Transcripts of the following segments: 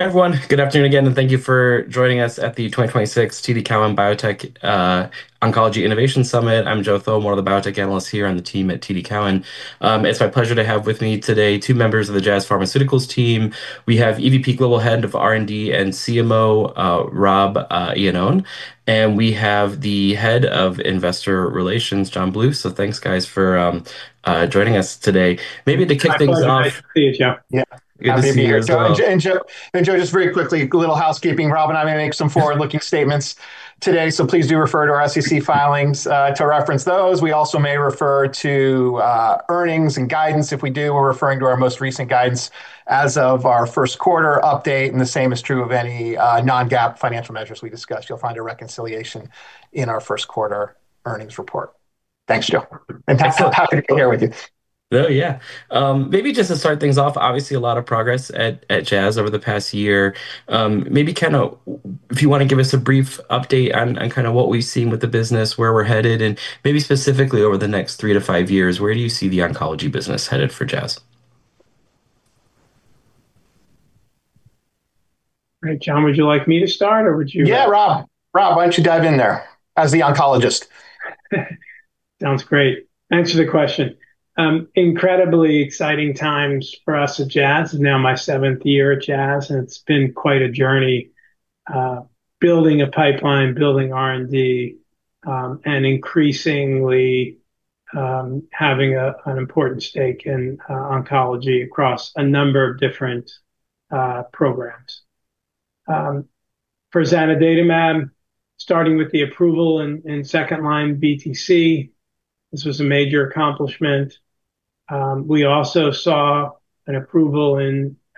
Everyone, good afternoon again, and thank you for joining us at the 2026 TD Cowen Biotech Oncology Innovation Summit. I'm Joseph Thome, one of the biotech analysts here on the team at TD Cowen. It's my pleasure to have with me today two members of the Jazz Pharmaceuticals team. We have EVP, Global Head of R&D and CMO, Robert Iannone, and we have the Head of Investor Relations, John Bluth. Thanks, guys, for joining us today. Maybe to kick things off- My pleasure to be here, Joe. Yeah. Good to have you here as well. Joe, just very quickly, a little housekeeping. Rob and I may make some forward-looking statements today, so please do refer to our SEC filings to reference those. We also may refer to earnings and guidance. If we do, we're referring to our most recent guidance as of our first quarter update. The same is true of any non-GAAP financial measures we discuss. You'll find a reconciliation in our first quarter earnings report. Thanks, Joe, and thanks. Happy to be here with you. Yeah. Maybe just to start things off, obviously, a lot of progress at Jazz over the past year. Maybe, Ken, if you want to give us a brief update on what we've seen with the business, where we're headed, and maybe specifically over the next three to five years, where do you see the oncology business headed for Jazz? Right. John, would you like me to start. Yeah, Rob, why don't you dive in there, as the oncologist? Sounds great. Thanks for the question. Incredibly exciting times for us at Jazz. This is now my seventh year at Jazz, and it's been quite a journey building a pipeline, building R&D, and increasingly having an important stake in oncology across a number of different programs. For zanidatamab, starting with the approval in second-line BTC, this was a major accomplishment. We also saw an approval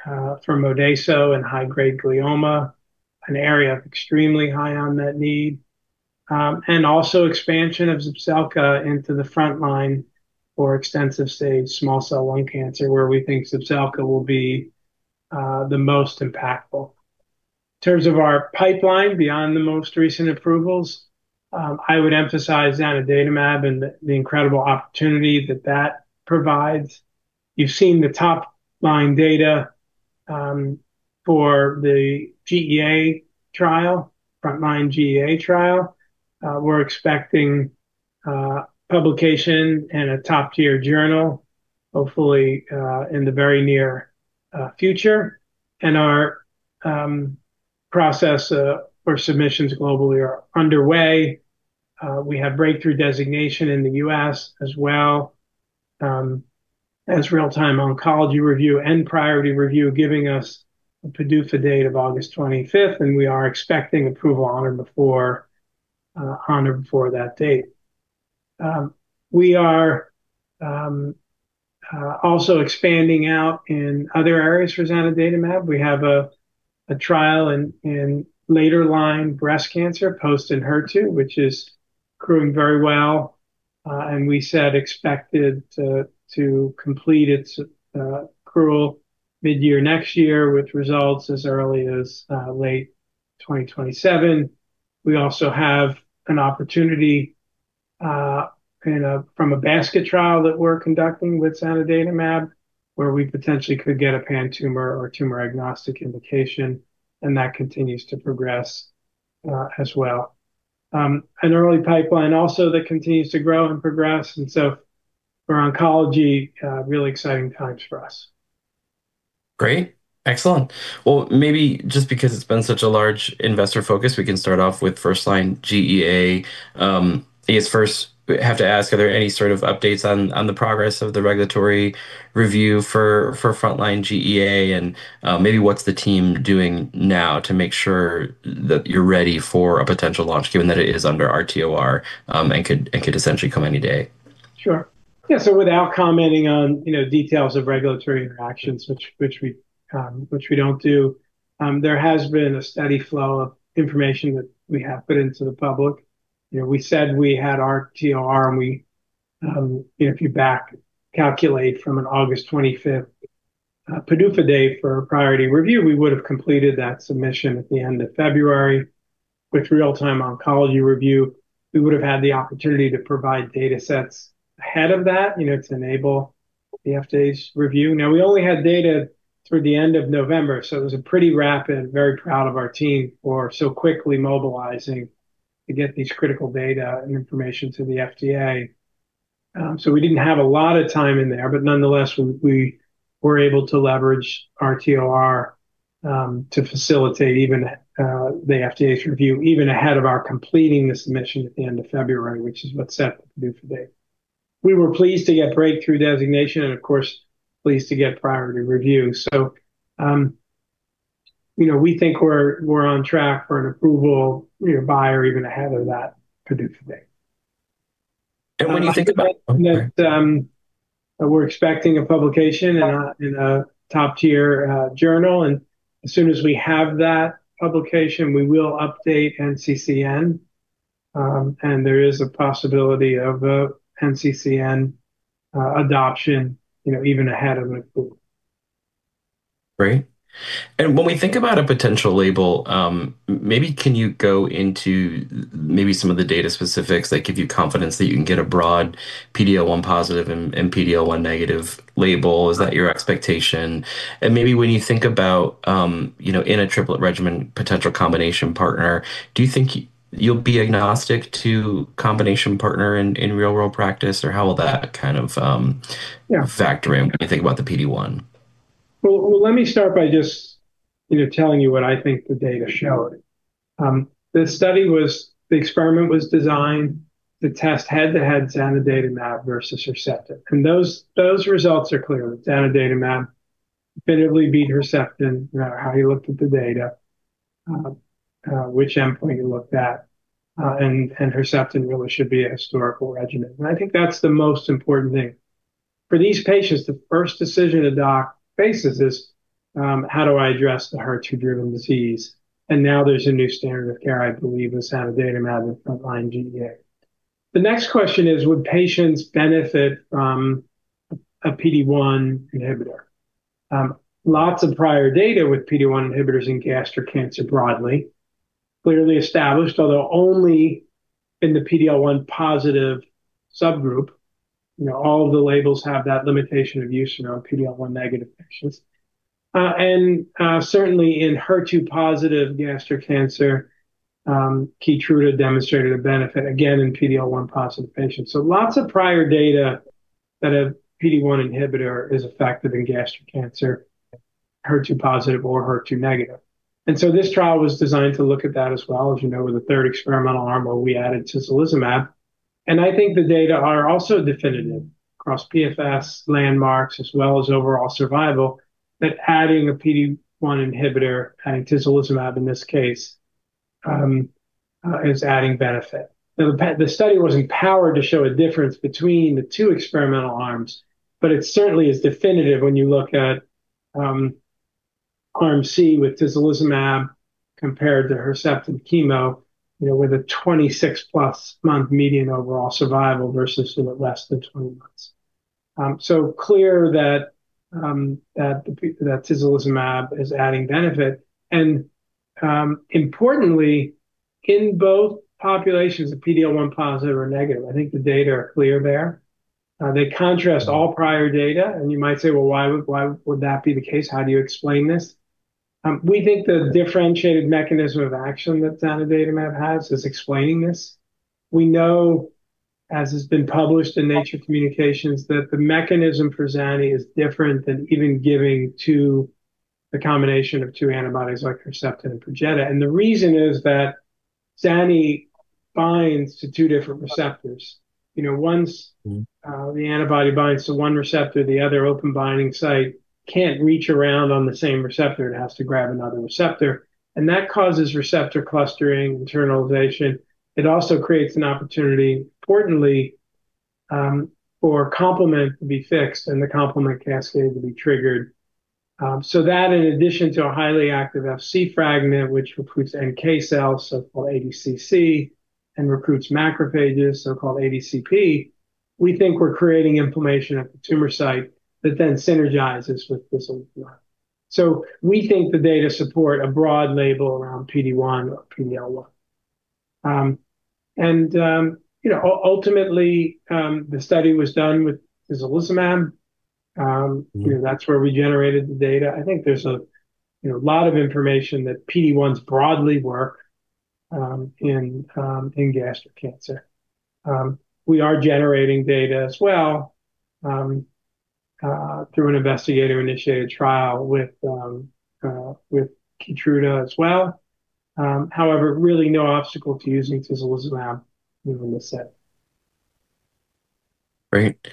for MODEYSO in high-grade glioma, an area extremely high on that need, and also expansion of ZEPZELCA into the front-line for extensive stage small cell lung cancer, where we think ZEPZELCA will be the most impactful. In terms of our pipeline beyond the most recent approvals, I would emphasize zanidatamab and the incredible opportunity that that provides. You've seen the top-line data for the GEA trial, front-line GEA trial. We're expecting publication in a top-tier journal, hopefully in the very near future. Our process for submissions globally are underway. We have breakthrough designation in the U.S. as well as real-time oncology review and priority review, giving us a PDUFA date of August 25th, and we are expecting approval on or before that date. We are also expanding out in other areas for zanidatamab. We have a trial in later-line breast cancer, post ENHERTU, which is accruing very well, and we said expected to complete its accrual mid-year next year, with results as early as late 2027. We also have an opportunity from a basket trial that we're conducting with zanidatamab, where we potentially could get a pan-tumor or tumor-agnostic indication, and that continues to progress as well. An early pipeline also that continues to grow and progress. For oncology, really exciting times for us. Great. Excellent. Maybe just because it's been such a large investor focus, we can start off with first-line GEA. I guess first we have to ask, are there any sort of updates on the progress of the regulatory review for frontline GEA, and maybe what's the team doing now to make sure that you're ready for a potential launch, given that it is under RTOR, and could essentially come any day? Sure. Yeah, without commenting on details of regulatory interactions, which we don't do, there has been a steady flow of information that we have put into the public. We said we had RTOR, and if you back-calculate from an August 25th PDUFA date for priority review, we would have completed that submission at the end of February. With real-time oncology review, we would have had the opportunity to provide data sets ahead of that to enable the FDA's review. Now, we only had data through the end of November, so it was a pretty rapid, very proud of our team for so quickly mobilizing to get these critical data and information to the FDA. We didn't have a lot of time in there, nonetheless, we were able to leverage RTOR to facilitate even the FDA's review, even ahead of our completing the submission at the end of February, which is what's set for the PDUFA date. We were pleased to get breakthrough designation and of course, pleased to get priority review. We think we're on track for an approval by or even ahead of that PDUFA date. When you think about- We're expecting a publication in a top-tier journal, and as soon as we have that publication, we will update NCCN. There is a possibility of a NCCN adoption even ahead of an approval. Great. When we think about a potential label, maybe can you go into some of the data specifics that give you confidence that you can get a broad PD-L1 positive and PD-L1 negative label? Is that your expectation? Maybe when you think about, in a triplet regimen potential combination partner, do you think you'll be agnostic to combination partner in real world practice? How will that kind of. Yeah Factor in when you think about the PD-1? Let me start by just telling you what I think the data showed. The experiment was designed to test head-to-head zanidatamab versus Herceptin. Those results are clear. Zanidatamab definitively beat Herceptin, no matter how you looked at the data, which endpoint you looked at, and Herceptin really should be a historical regimen. I think that's the most important thing. For these patients, the first decision a doc faces is, how do I address the HER2-driven disease? Now there's a new standard of care, I believe, with zanidatamab as frontline GEA. The next question is, would patients benefit from a PD-1 inhibitor? Lots of prior data with PD-1 inhibitors in gastric cancer broadly clearly established, although only in the PD-L1 positive subgroup. All of the labels have that limitation of use in our PD-L1 negative patients. Certainly in HER2 positive gastric cancer, KEYTRUDA demonstrated a benefit, again, in PD-L1 positive patients. Lots of prior data that a PD-1 inhibitor is effective in gastric cancer, HER2 positive or HER2 negative. This trial was designed to look at that as well, as you know, with the third experimental arm where we added tislelizumab. I think the data are also definitive across PFS landmarks as well as overall survival, that adding a PD-1 inhibitor, and tislelizumab in this case, is adding benefit. The study wasn't powered to show a difference between the two experimental arms, it certainly is definitive when you look at Arm C with tislelizumab compared to Herceptin chemo, with a 26-plus month median overall survival versus less than 20 months. Clear that tislelizumab is adding benefit, and importantly, in both populations of PD-L1 positive or negative, I think the data are clear there. They contrast all prior data, you might say, well, why would that be the case? How do you explain this? We think the differentiated mechanism of action that zanidatamab has is explaining this. We know, as has been published in Nature Communications, that the mechanism for zani is different than even giving the combination of two antibodies like Herceptin and PERJETA, and the reason is that zanidatamab binds to two different receptors. Once the antibody binds to one receptor, the other open binding site can't reach around on the same receptor. It has to grab another receptor, and that causes receptor clustering, internalization. It also creates an opportunity, importantly, for a complement to be fixed and the complement cascade to be triggered. That in addition to a highly active Fc fragment, which recruits NK cells, so-called ADCC, and recruits macrophages, so-called ADCP, we think we're creating inflammation at the tumor site that then synergizes with this one. We think the data support a broad label around PD-1 or PD-L1. Ultimately, the study was done with tislelizumab. That's where we generated the data. I think there's a lot of information that PD-1s broadly work in gastric cancer. We are generating data as well, through an investigator-initiated trial with KEYTRUDA as well. However, really no obstacle to using tislelizumab within the set. Great.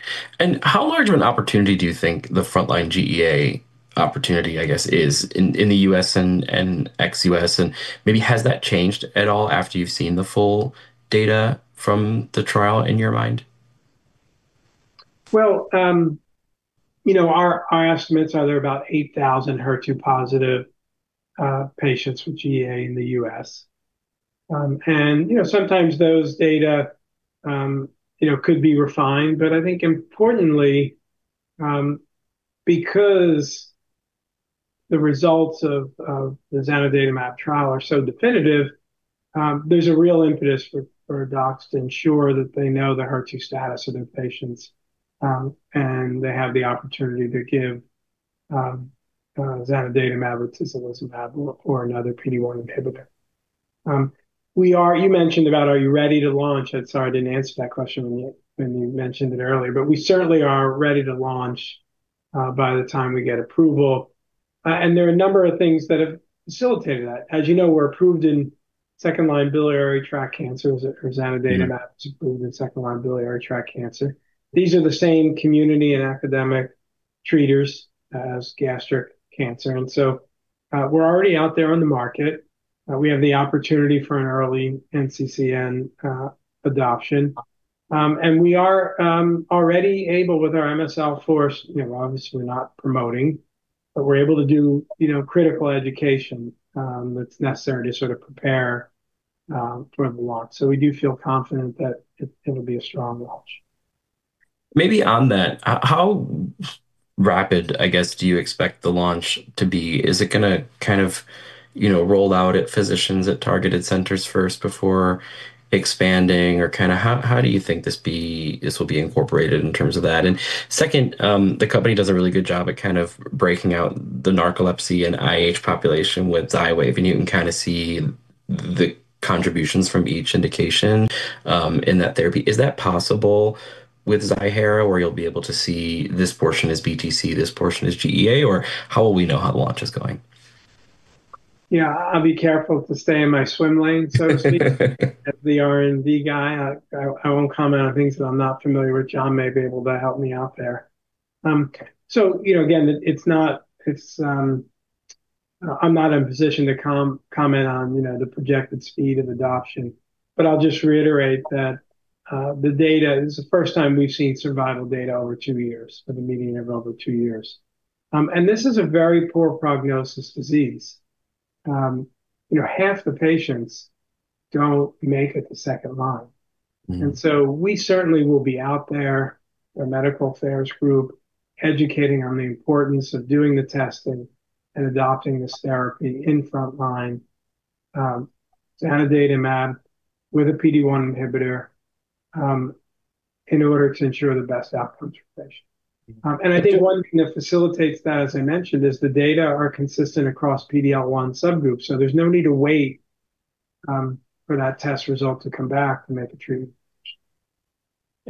How large of an opportunity do you think the frontline GEA opportunity is in the U.S. and ex-U.S.? Maybe has that changed at all after you've seen the full data from the trial in your mind? Well, our estimates are there are about 8,000 HER2-positive patients with GEA in the U.S. Sometimes those data could be refined, but I think importantly, because the results of the zanidatamab trial are so definitive, there's a real impetus for docs to ensure that they know the HER2 status of their patients, and they have the opportunity to give zanidatamab or tislelizumab or another PD-1 inhibitor. You mentioned about are you ready to launch? Sorry, I didn't answer that question when you mentioned it earlier, but we certainly are ready to launch by the time we get approval. There are a number of things that have facilitated that. As you know, we're approved in second-line biliary tract cancers. Yeah Is approved in second-line biliary tract cancer. These are the same community and academic treaters as gastric cancer. We're already out there on the market. We have the opportunity for an early NCCN adoption. We are already able with our MSL force, obviously we're not promoting, but we're able to do critical education that's necessary to sort of prepare for the launch. We do feel confident that it'll be a strong launch. Maybe on that, how rapid, I guess, do you expect the launch to be? Is it going to kind of roll out at physicians at targeted centers first before expanding? How do you think this will be incorporated in terms of that? Second, the company does a really good job at kind of breaking out the narcolepsy and IH population with Xywav, and you can kind of see the contributions from each indication in that therapy. Is that possible with Ziihera where you'll be able to see this portion is BTC, this portion is GEA, or how will we know how the launch is going? Yeah, I'll be careful to stay in my swim lane, so to speak. As the R&D guy, I won't comment on things that I'm not familiar with. John may be able to help me out there. Okay. Again, I'm not in a position to comment on the projected speed of adoption. I'll just reiterate that the data, this is the first time we've seen survival data over two years, with a median of over two years. This is a very poor prognosis disease. Half the patients don't make it to second line. We certainly will be out there, the medical affairs group, educating on the importance of doing the testing and adopting this therapy in front line, zanidatamab with a PD-1 inhibitor, in order to ensure the best outcomes for patients. I think one thing that facilitates that, as I mentioned, is the data are consistent across PD-L1 subgroups, so there's no need to wait for that test result to come back to make a treatment.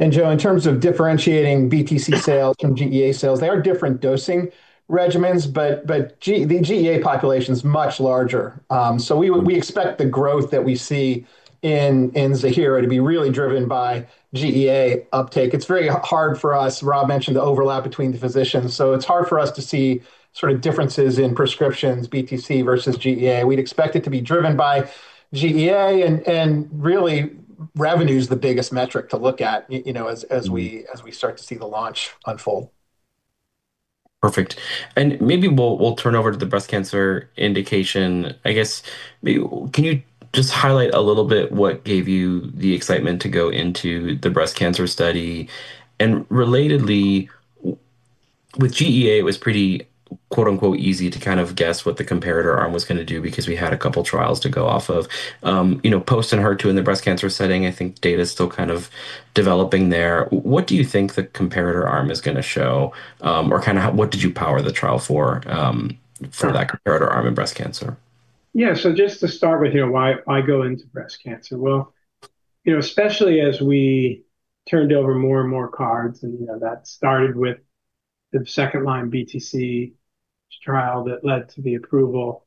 Joseph Thome, in terms of differentiating BTC sales from GEA sales, they are different dosing regimens, but the GEA population's much larger. We expect the growth that we see in Ziihera to be really driven by GEA uptake. It's very hard for us, Robert Iannone mentioned the overlap between the physicians, so it's hard for us to see sort of differences in prescriptions, BTC versus GEA. We'd expect it to be driven by GEA, and really, revenue's the biggest metric to look at, as we start to see the launch unfold. Perfect. Maybe we'll turn over to the breast cancer indication. I guess, can you just highlight a little bit what gave you the excitement to go into the breast cancer study? Relatedly, with GEA, it was pretty, quote unquote, "easy" to kind of guess what the comparator arm was going to do because we had a couple trials to go off of. Post ENHERTU in the breast cancer setting, I think data's still kind of developing there. What do you think the comparator arm is going to show? What did you power the trial for that comparator arm in breast cancer? Yeah. Just to start with why I go into breast cancer. Especially as we turned over more and more cards, and that started with the second line BTC trial that led to the approval.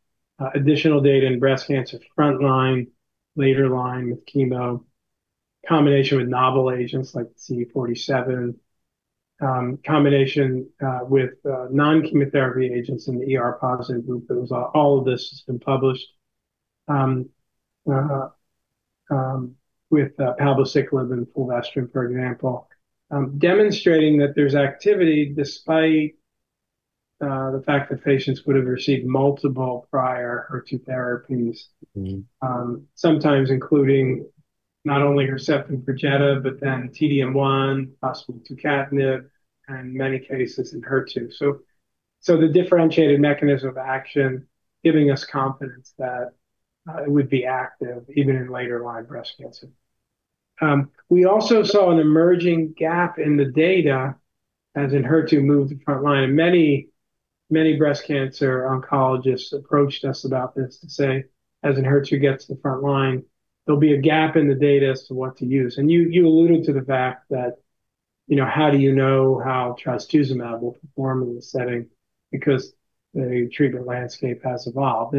Additional data in breast cancer front line, later line with chemo, combination with novel agents like CD47, combination with non-chemotherapy agents in the ER positive group. All of this has been published with palbociclib and fulvestrant, for example, demonstrating that there's activity despite the fact that patients would've received multiple prior HER2 therapies. Sometimes including not only Herceptin, PERJETA, T-DM1, possibly tucatinib, and in many cases ENHERTU. The differentiated mechanism of action giving us confidence that it would be active even in later line breast cancer. We also saw an emerging gap in the data as ENHERTU moved to front line. Many breast cancer oncologists approached us about this to say, As ENHERTU gets to the front line, there'll be a gap in the data as to what to use. You alluded to the fact that, how do you know how trastuzumab will perform in this setting? The treatment landscape has evolved.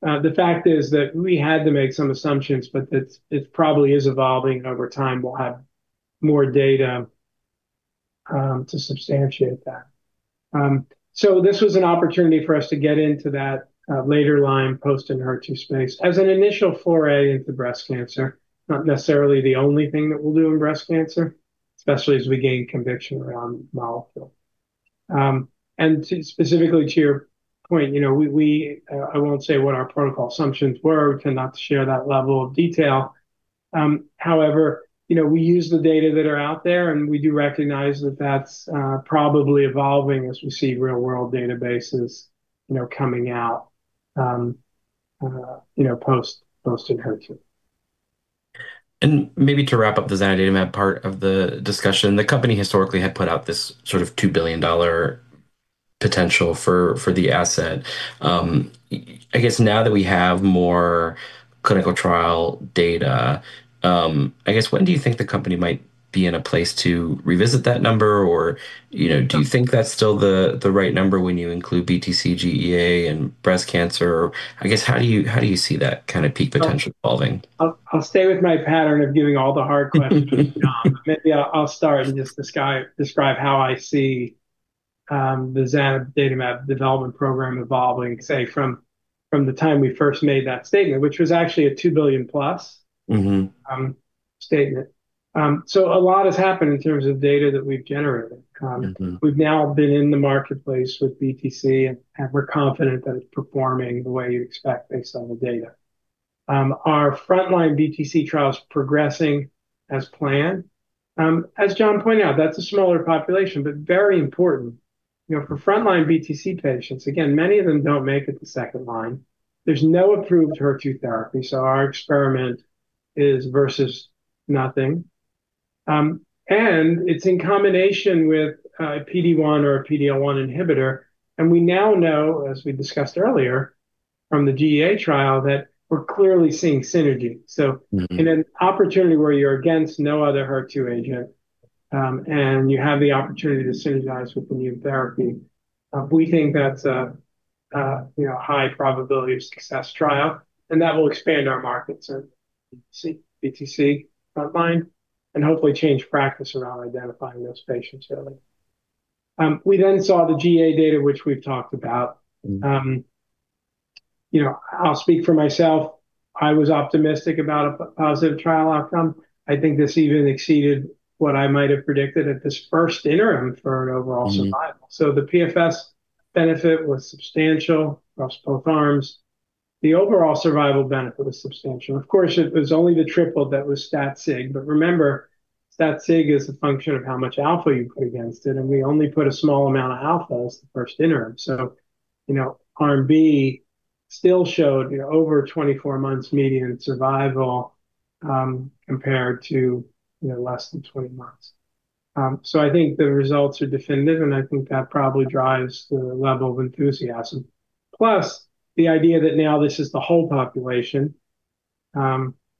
The fact is that we had to make some assumptions, but it probably is evolving over time. We'll have more data to substantiate that. This was an opportunity for us to get into that later line post HER2 space as an initial foray into breast cancer, not necessarily the only thing that we'll do in breast cancer, especially as we gain conviction around molecule. Specifically to your point, I won't say what our protocol assumptions were. We cannot share that level of detail. However, we use the data that are out there, and we do recognize that that's probably evolving as we see real-world databases coming out post ENHERTU. Maybe to wrap up the zanidatamab part of the discussion, the company historically had put out this sort of $2 billion potential for the asset. I guess now that we have more clinical trial data, when do you think the company might be in a place to revisit that number? Or, do you think that's still the right number when you include BTC, GEA, and breast cancer? I guess, how do you see that kind of peak potential evolving? I'll stay with my pattern of giving all the hard questions to John. Maybe I'll start and just describe how I see the zanidatamab development program evolving, say from the time we first made that statement, which was actually a $2 billion-plus statement. A lot has happened in terms of data that we've generated. We've now been in the marketplace with BTC, and we're confident that it's performing the way you expect based on the data. Our frontline BTC trial is progressing as planned. As John pointed out, that's a smaller population, but very important. For frontline BTC patients, again, many of them don't make it to second line. There's no approved HER2 therapy, so our experiment is versus nothing. It's in combination with a PD-1 or a PD-L1 inhibitor, and we now know, as we discussed earlier, from the GEA trial, that we're clearly seeing synergy. In an opportunity where you're against no other HER2 agent, and you have the opportunity to synergize with immune therapy, we think that's a high probability of success trial, and that will expand our markets in BTC frontline, and hopefully change practice around identifying those patients early. We then saw the GEA data, which we've talked about. I'll speak for myself. I was optimistic about a positive trial outcome. I think this even exceeded what I might have predicted at this first interim for an overall survival. The PFS benefit was substantial across both arms. The overall survival benefit was substantial. Of course, it was only the triple that was stat sig. Remember, stat sig is a function of how much alpha you put against it, and we only put a small amount of alpha as the first interim. Arm B still showed over 24 months median survival, compared to less than 20 months. I think the results are definitive, and I think that probably drives the level of enthusiasm. Plus, the idea that now this is the whole population,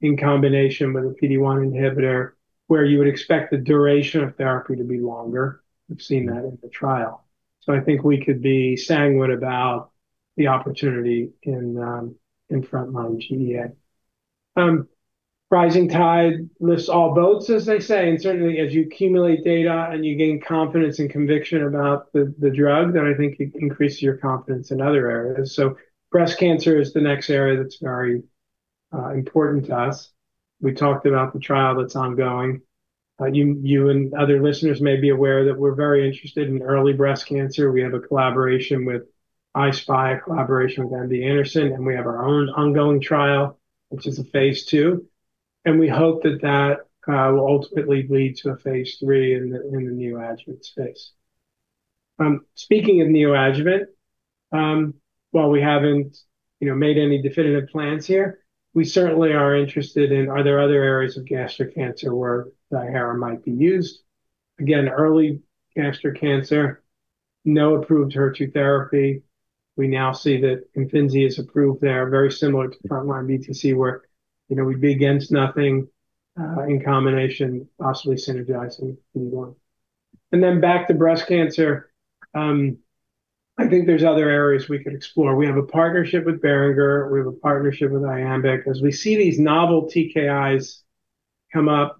in combination with a PD-1 inhibitor, where you would expect the duration of therapy to be longer. We've seen that in the trial. I think we could be sanguine about the opportunity in frontline GEA. Rising tide lifts all boats, as they say. Certainly as you accumulate data and you gain confidence and conviction about the drug, I think you increase your confidence in other areas. Breast cancer is the next area that's very important to us. We talked about the trial that's ongoing. You and other listeners may be aware that we're very interested in early breast cancer. We have a collaboration with I-SPY, a collaboration with MD Anderson, we have our own ongoing trial, which is a phase II. We hope that that will ultimately lead to a phase III in the neoadjuvant space. Speaking of neoadjuvant, while we haven't made any definitive plans here, we certainly are interested in, are there other areas of gastric cancer where HER2 might be used? Again, early gastric cancer, no approved HER2 therapy. We now see that Imfinzi is approved there, very similar to frontline BTC, where we'd be against nothing, in combination, possibly synergizing PD-1. Back to breast cancer. I think there's other areas we could explore. We have a partnership with Boehringer. We have a partnership with Iambic. As we see these novel TKIs come up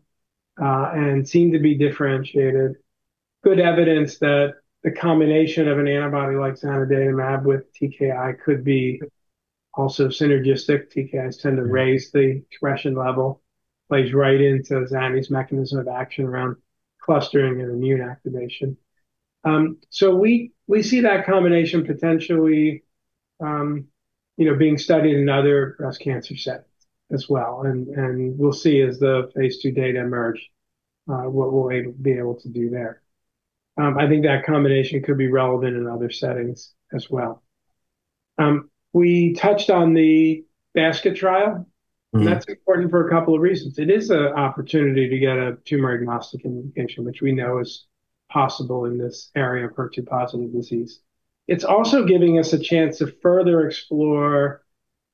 and seem to be differentiated, good evidence that the combination of an antibody like zanidatamab with TKI could be also synergistic. TKIs tend to raise the expression level. Plays right into zani's mechanism of action around clustering and immune activation. We see that combination potentially being studied in other breast cancer settings as well, and we'll see as the phase II data emerge, what we'll be able to do there. I think that combination could be relevant in other settings as well. We touched on the Basket trial. That's important for a couple of reasons. It is an opportunity to get a tumor-agnostic indication, which we know is possible in this area of HER2-positive disease. It's also giving us a chance to further explore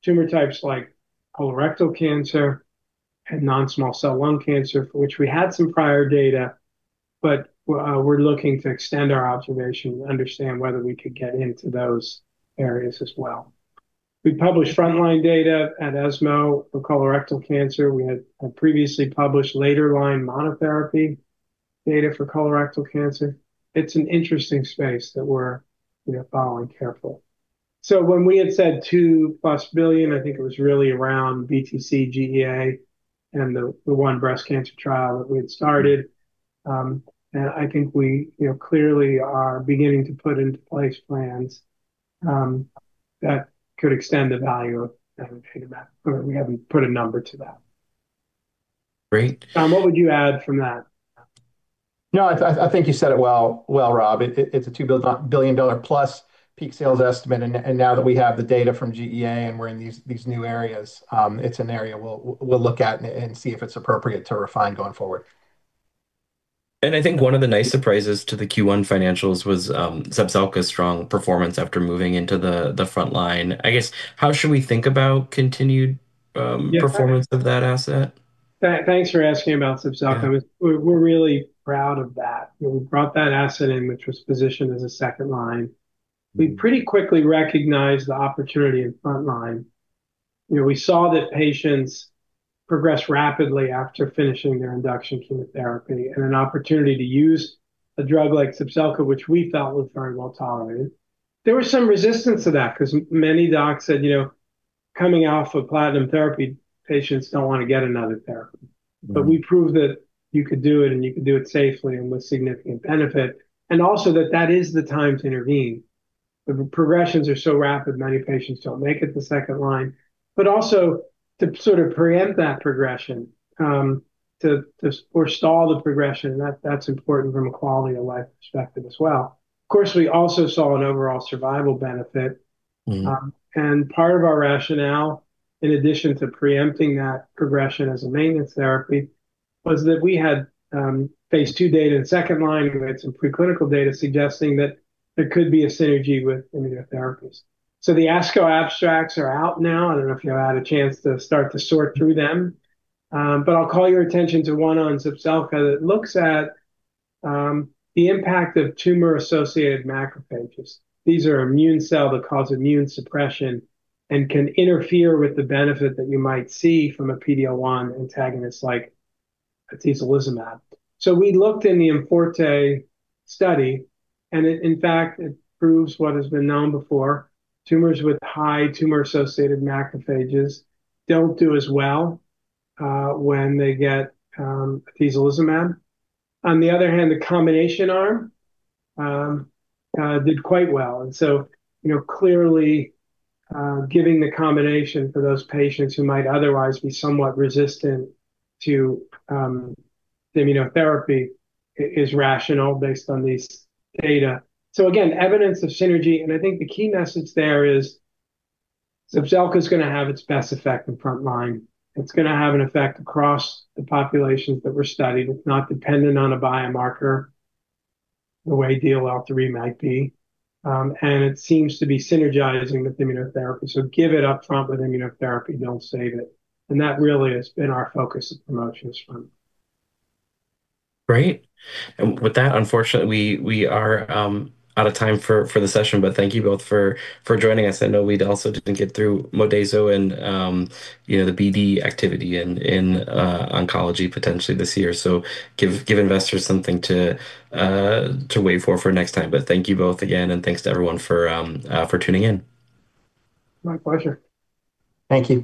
tumor types like colorectal cancer and non-small cell lung cancer, for which we had some prior data, but we're looking to extend our observation to understand whether we could get into those areas as well. We published frontline data at ESMO for colorectal cancer. We had previously published later line monotherapy data for colorectal cancer. It's an interesting space that we're following careful. When we had said $2+ billion, I think it was really around BTC, GEA, and the one breast cancer trial that we had started. I think we clearly are beginning to put into place plans that could extend the value of zanidatamab, but we haven't put a number to that. Great. John, what would you add from that? No, I think you said it well, Rob. It's a $2 billion-plus peak sales estimate, and now that we have the data from GEA and we're in these new areas, it's an area we'll look at and see if it's appropriate to refine going forward. I think one of the nice surprises to the Q1 financials was ZEPZELCA's strong performance after moving into the frontline. I guess, how should we think about continued performance of that asset? Thanks for asking about ZEPZELCA. Yeah. We're really proud of that. When we brought that asset in, which was positioned as a second line, we pretty quickly recognized the opportunity in frontline. We saw that patients progress rapidly after finishing their induction chemotherapy, and an opportunity to use a drug like ZEPZELCA, which we felt was very well-tolerated. There was some resistance to that because many docs said, coming off of platinum therapy, patients don't want to get another therapy. We proved that you could do it, and you could do it safely and with significant benefit. Also that that is the time to intervene. The progressions are so rapid, many patients don't make it to second line. Also to sort of preempt that progression, or stall the progression, that's important from a quality of life perspective as well. Of course, we also saw an overall survival benefit. Part of our rationale, in addition to preempting that progression as a maintenance therapy, was that we had phase II data in second line. We had some preclinical data suggesting that there could be a synergy with immunotherapies. The ASCO abstracts are out now. I don't know if you've had a chance to start to sort through them. I'll call your attention to one on ZEPZELCA that looks at the impact of tumor-associated macrophages. These are immune cell that cause immune suppression and can interfere with the benefit that you might see from a PD-L1 antagonist like atezolizumab. We looked in the IMforte study, and in fact, it proves what has been known before. Tumors with high tumor-associated macrophages don't do as well when they get atezolizumab. On the other hand, the combination arm did quite well, and so clearly, giving the combination for those patients who might otherwise be somewhat resistant to the immunotherapy is rational based on these data. Again, evidence of synergy, and I think the key message there is ZEPZELCA is going to have its best effect in front line. It's going to have an effect across the populations that were studied. It's not dependent on a biomarker the way DLL3 might be. It seems to be synergizing with immunotherapy. Give it up front with immunotherapy, don't save it. And that really has been our focus at the promotions front. Great. With that, unfortunately, we are out of time for the session, but thank you both for joining us. I know we'd also didn't get through MODEYSO and the BD activity in oncology potentially this year. Give investors something to wait for next time. Thank you both again, and thanks to everyone for tuning in. My pleasure. Thank you.